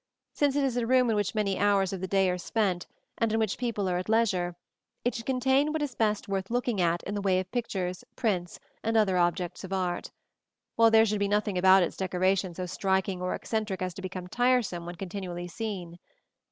Since it is a room in which many hours of the day are spent, and in which people are at leisure, it should contain what is best worth looking at in the way of pictures, prints, and other objects of art; while there should be nothing about its decoration so striking or eccentric as to become tiresome when continually seen.